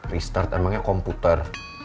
restart emangnya komputer